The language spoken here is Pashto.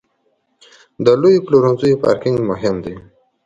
د لویو پلورنځیو پارکینګ مهم دی.